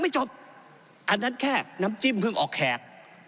จบอันนั้นแค่น้ำจิ้มเพิ่งออกแขก